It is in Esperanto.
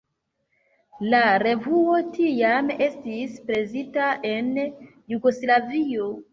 La revuo tiam estis presita en Jugoslavio.